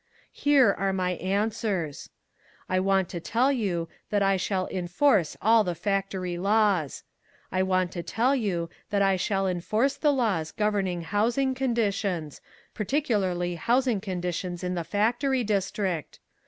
"Here are my answers: "I want to tell you that I shall enforce all the factory laws. "I want to tell you that I shall enforce the laws governing housing conditions particularly housing conditions in the factory district.